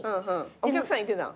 お客さんいてたん？